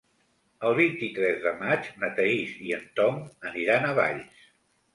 El vint-i-tres de maig na Thaís i en Tom aniran a Valls.